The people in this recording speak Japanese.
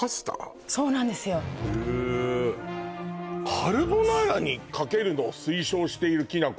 そうなんですよへえカルボナーラにかけるのを推奨しているきな粉？